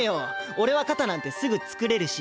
俺は肩なんてすぐつくれるし。